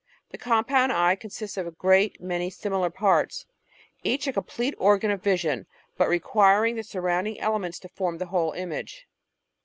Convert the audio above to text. The compound eye consists of a great many similar parts — each a complete organ of vision but requiring the sur rounding elements to form the whole image.